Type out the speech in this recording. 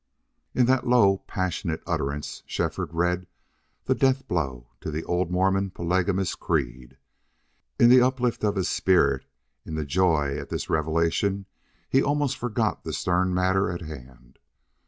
In that low, passionate utterance Shefford read the death blow to the old Mormon polygamous creed. In the uplift of his spirit, in the joy at this revelation, he almost forgot the stern matter at hand.